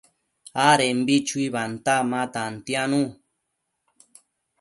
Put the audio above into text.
adembi chuibanta ma tantianu